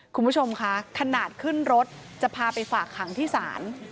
คุณผู้ชมคะขนาดขึ้นรถจะพาไปฝากขังที่ศาล